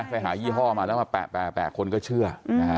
ไปหายี่ห้อมาแล้วมาแปะคนก็เชื่อ